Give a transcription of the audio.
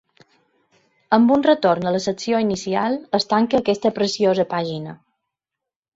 Amb un retorn a la secció inicial es tanca aquesta preciosa pàgina.